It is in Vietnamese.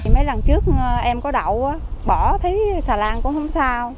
mấy lần trước em có đậu bỏ thấy xà lan cũng không sao